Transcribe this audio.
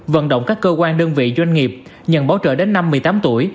vận động các cơ quan đơn vị doanh nghiệp nhận bảo trợ đến năm một mươi tám tuổi